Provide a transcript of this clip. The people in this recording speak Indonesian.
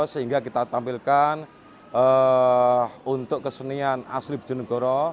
sehingga kita tampilkan untuk kesenian asli bejonegoro